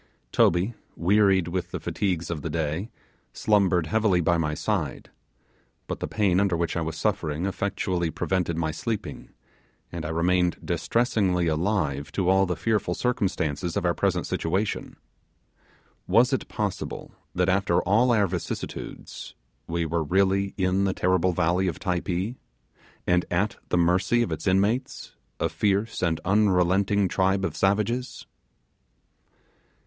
Toby, wearied with the fatigues of the day, slumbered heavily by my side; but the pain under which I was suffering effectually prevented my sleeping, and I remained distressingly alive to all the fearful circumstances of our present situation. Was it possible that, after all our vicissitudes, we were really in the terrible valley of Typee, and at the mercy of its inmates, a fierce and unrelenting tribe of savages?